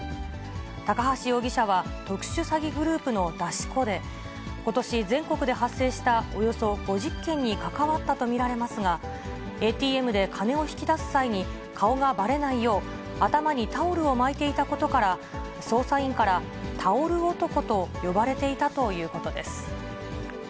高橋容疑者は、特殊詐欺グループの出し子で、ことし、全国で発生したおよそ５０件に関わったと見られますが、ＡＴＭで金を引き出す際に顔がばれないよう、頭にタオルを巻いていたことから、捜査員からタオル男と呼ばれていたということです。